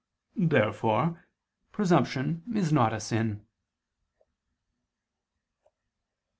Therefore presumption is not a sin.